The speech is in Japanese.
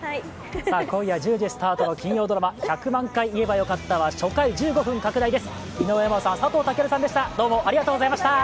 今夜１０時スタートの金曜ドラマ「１００万回言えばよかった」は初回１５分拡大です。